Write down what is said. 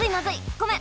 ごめん！